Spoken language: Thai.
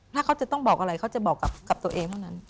ถ้าเขาจะต้องบอกอะไรเขาจะบอกกับตัวเองเท่านั้น